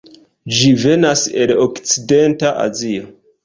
Ĝi venas el okcidenta Azio.